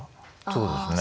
そうですね。